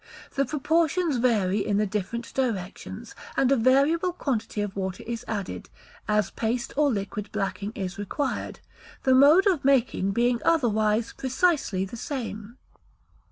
The proportions vary in the different directions, and a variable quantity of water is added, as paste or liquid blacking is required; the mode of making being otherwise precisely the same.